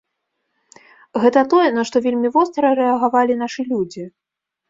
Гэта тое, на што вельмі востра рэагавалі нашы людзі.